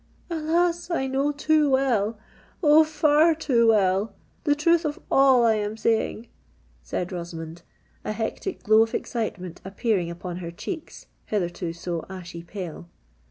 "Alas! I know too well—oh! far too well, the truth of all I am saying!" said Rosamond, a hectic glow of excitement appearing upon her cheeks, hitherto so ashy pale.